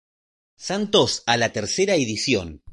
Santos a la tercera edición.